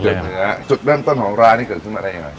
เนื้อจุดเริ่มต้นของร้านนี้เกิดขึ้นมาได้ยังไง